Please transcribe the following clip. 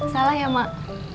salah ya emak